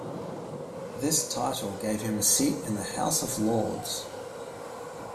This title gave him a seat in the House of Lords.